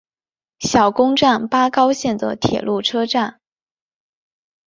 小宫站八高线的铁路车站。